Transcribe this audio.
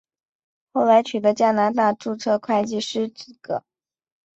后来取得加拿大注册会计师资格。